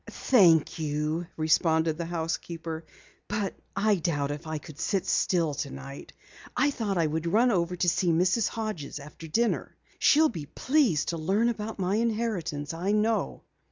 "Thank you," responded the housekeeper, "but I doubt if I could sit still tonight. I thought I would run over to see Mrs. Hodges after dinner. She'll be pleased to learn about my inheritance, I know."